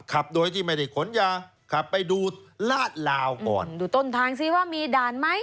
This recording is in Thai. ขับโดยที่ไม่ได้ขนยาขับไปดูลาดลาวก่อนดูต้นทางซิว่ามีด่านไหม